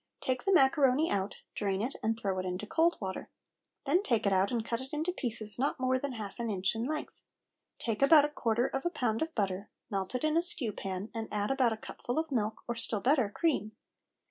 Take the macaroni out, drain it, and throw it into cold water. Then take it out and cut it into pieces not more than half an inch in length. Take about a quarter of a pound of butter, melt it in a stew pan, and add about a cupful of milk, or still better, cream.